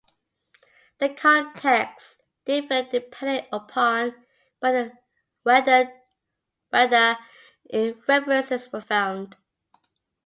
The context differed depending upon where the references were found.